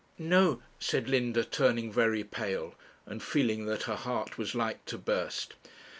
'No,' said Linda, turning very pale, and feeling that her heart was like to burst.